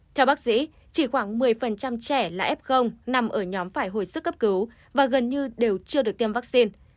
theo bác sĩ chỉ khoảng một mươi trẻ là f nằm ở nhóm phải hồi sức cấp cứu và gần như đều chưa được tiêm vaccine